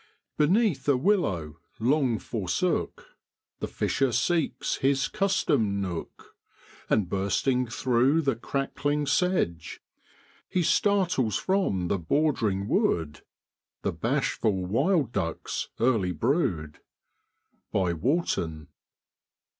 ' Beneath a willow, long forsook, The fisher seeks his customed nook; And bursting through the crackling sedge, He startles from the bordering wood The bashful wild duck's early brood.' Wartnn.